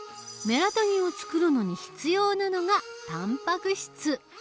メラトニンをつくるのに必要なのがたんぱく質。